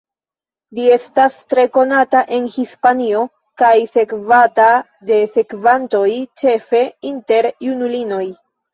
Li estas tre konata en Hispanio kaj sekvata de sekvantoj ĉefe inter junulinoj.